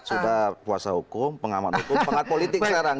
sudah puasa hukum pengaman hukum pengat politik sekarang